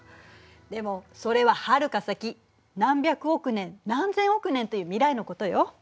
でもそれははるか先何百億年何千億年という未来のことよ。